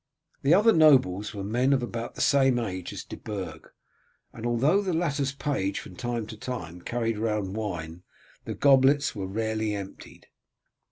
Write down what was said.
The other nobles were men of about the same age as De Burg, and although the latter's page from time to time carried round wine the goblets were rarely emptied.